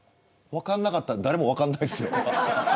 分かんなかったら誰も分かんないですよ。